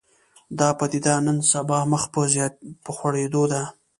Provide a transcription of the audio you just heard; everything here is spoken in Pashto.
دا پدیده نن سبا مخ په خورېدو ده